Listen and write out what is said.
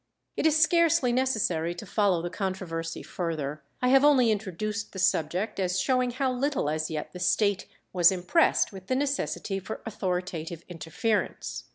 It is scarcely necessary to follow the controversy further. I have only introduced the subject as showing how little as yet the State was impressed with the necessity for authoritative interference.